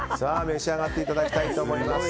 召し上がっていただきたいと思います。